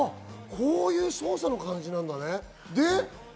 こういう操作の感じなんだね。